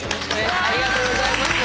ありがとうございます。